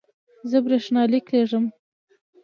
زه برېښنالیک لیږم